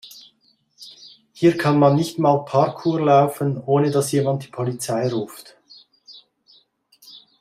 Hier kann man nicht mal Parkour laufen, ohne dass jemand die Polizei ruft.